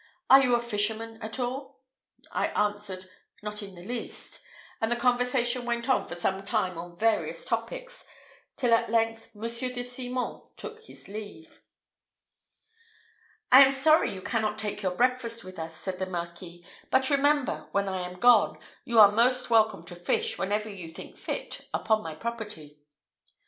Are you a fisherman at all?" I answered, "Not in the least;" and the conversation went on for some time on various topics, till at length Monsieur de Simon took his leave. "I am sorry you cannot take your breakfast with us," said the Marquis; "but remember, when I am gone, you are most welcome to fish, whenever you think fit, upon my property."